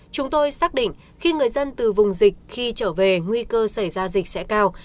chúng tôi xác định khi người dân từ vùng dịch khi trở về nguy cơ xảy ra dịch sẽ cao